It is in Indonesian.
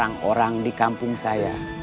tanggung jawab orang orang di kampung saya